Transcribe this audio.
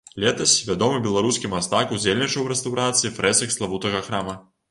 Летась вядомы беларускі мастак удзельнічаў у рэстаўрацыі фрэсак славутага храма.